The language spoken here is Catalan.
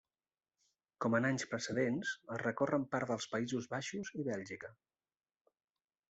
Com en anys precedents es recorren parts dels Països Baixos i Bèlgica.